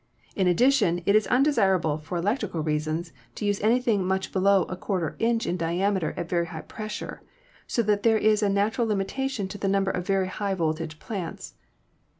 In addition, it is undesirable, for electrical reasons, to use anything much below a quarter inch in diameter at very high pressure, so that there is a natural limitation to the number of very high voltage plants.